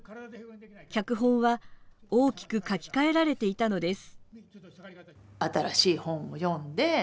脚本は大きく書き換えられていたのです。